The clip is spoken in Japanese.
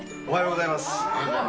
おはようございます。